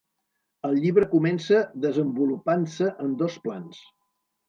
El llibre comença desenvolupant-se en dos plans.